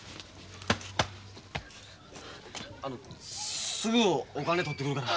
あのすぐお金取ってくるから。